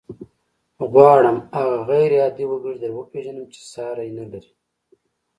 غواړم هغه غير عادي وګړی در وپېژنم چې ساری نه لري.